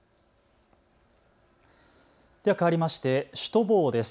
ではかわりましてシュトボーです。